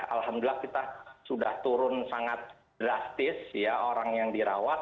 alhamdulillah kita sudah turun sangat drastis ya orang yang dirawat